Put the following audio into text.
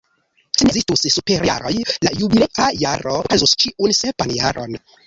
Se ne ekzistus superjaroj, la jubilea jaro okazus ĉiun sepan jaron.